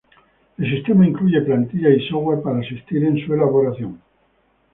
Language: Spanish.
El sistema incluye plantillas y software para asistir en su elaboración.